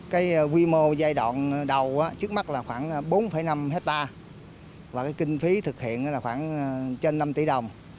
cái quy mô giai đoạn đầu trước mắt là khoảng bốn năm hectare và cái kinh phí thực hiện là khoảng trên năm tỷ đồng